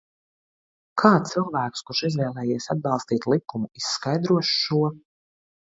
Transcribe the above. Kā cilvēks, kurš izvēlējies atbalstīt likumu, izskaidros šo?